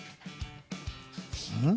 うん？